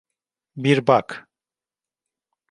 Bir bak.